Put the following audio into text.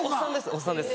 おっさんです